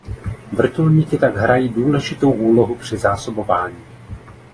Vrtulníky tak hrají důležitou úlohu při zásobování.